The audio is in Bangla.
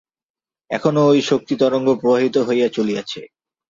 এখনও ঐ শক্তি-তরঙ্গ প্রবাহিত হইয়া চলিয়াছে।